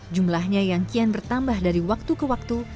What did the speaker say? jumlahnya yang kian bertambah dari waktu ke waktu